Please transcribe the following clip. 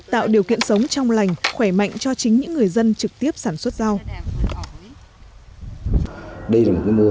tạo điều kiện sống trong lành khỏe mạnh cho chính những người dân trực tiếp sản xuất rau